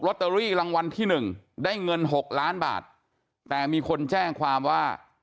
ตเตอรี่รางวัลที่หนึ่งได้เงินหกล้านบาทแต่มีคนแจ้งความว่า